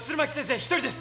一人です